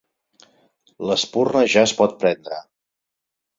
L'espurna ja es pot prendre.